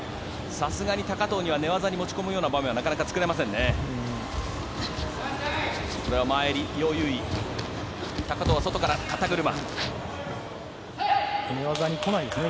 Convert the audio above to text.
さすがに高藤には寝技に持ち込む場面はなかなか作れませんね。